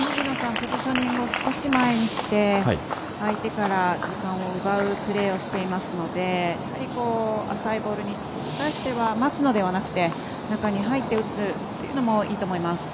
ポジショニングを少し前にして相手から時間を奪うプレーをしているのでやはり、浅いボールに関しては待つのではなくて中に入って打つというのもいいと思います。